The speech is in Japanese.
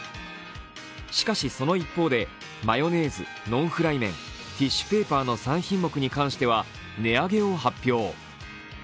しかし、その一方でマヨネーズ、ノンフライ麺、ティッシュペーパーの３品目に関しては値上げを発表。